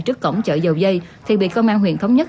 trước cổng chợ dầu dây thì bị công an huyện thống nhất